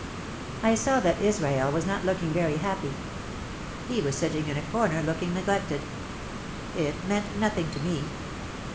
I saw that Israel was not looking very happy. He was sitting in a corner, looking neglected. It meant nothing to me.